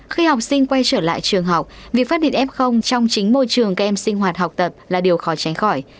khi học sinh quay trở lại trường học việc phát điện f trong chính môi trường các em sinh hoạt học tập là điều khó tránh khỏi